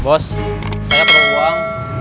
bos saya perlu uang